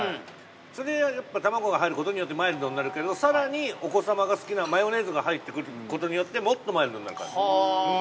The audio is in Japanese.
それに卵が入ることによってマイルドになるけど更にお子様が好きなマヨネーズが入ってくることによってもっとマイルドになる感じ。